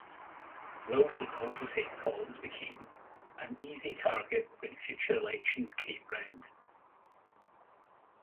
Wilson also said Collins became "an easy target when future elections came round".